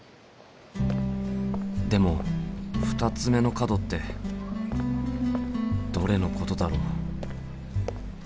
でも２つ目の角ってどれのことだろう？